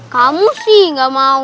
kamu sih gak mau